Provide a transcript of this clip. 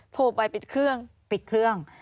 โทรไปปิดเครื่อง